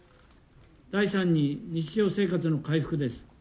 第３に日常生活の回復です。